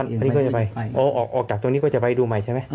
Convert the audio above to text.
อันนี้ก็จะไปออกจากตรงนี้ก็จะไปดูใหม่ใช่ไหม